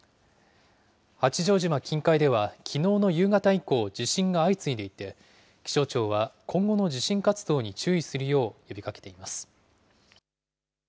八丈島近海ではきのうの夕方以降、地震が相次いでいて、気象庁は、今後の地震活動に注意するよう呼びかけています。